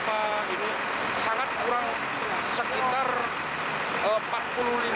atau jualan jualan jualan